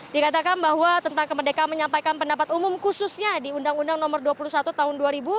dikatakan bahwa tentang kemerdekaan menyampaikan pendapat umum khususnya di undang undang nomor dua puluh satu tahun dua ribu dua